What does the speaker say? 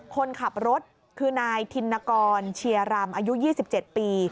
คนขับรถคือนายธินกรเชียรำอายุ๒๗ปี